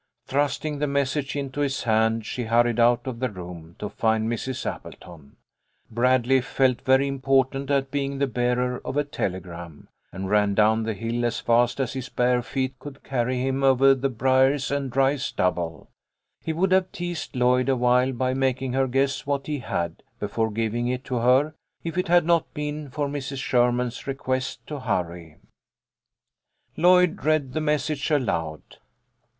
Thrusting the message into his hand, she hurried out of the room, to find Mrs. Appleton. Bradley felt TO BARLE V BRIGHT. " 5 1 very important at being the bearer of a telegram, and ran down the hill as fast as his bare feet could carry him over the briers and dry stubble. He would have teased Lloyd awhile by making her guess what he had, before giving it to her, if it had not been for Mrs. Sherman's request to hurry. Lloyd read the message aloud.